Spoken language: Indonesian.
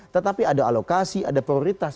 tetapi ada alokasi ada prioritas